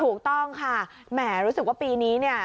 ถูกต้องค่ะแหมรู้สึกว่าปีนี้เนี่ย